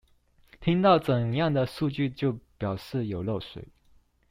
聽到怎樣的數據就表示有漏水